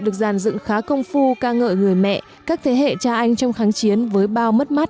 được giàn dựng khá công phu ca ngợi người mẹ các thế hệ cha anh trong kháng chiến với bao mất mát